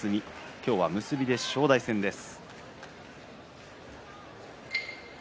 今日は結びで正代戦です。